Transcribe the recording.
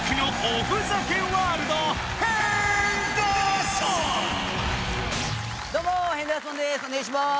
お願いします